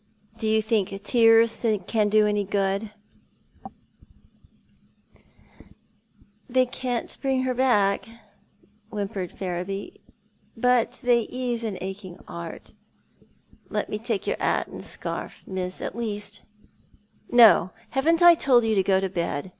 " Do you think tears can do any good ?" 140 Thou art the Man. " They can't bring her back," whimpered Ferriby ;" bnt they ease an aching 'eart. Let me take your 'at and scarf, miss, at least." " No. Haven't I told you to go to bed